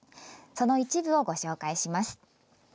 その一部をご紹介します。